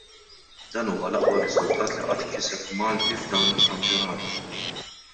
Dan huwa l-aqwa riżultat li qatt kiseb Malti f'dawn il-kampjonati.